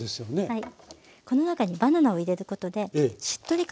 はい。